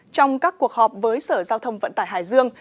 trong các cuộc họp với sở giao thông vận tải hải dương